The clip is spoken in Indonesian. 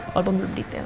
walaupun belum detail